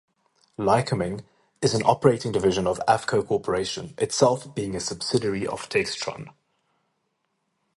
Lycoming is an operating division of Avco Corporation, itself a subsidiary of Textron.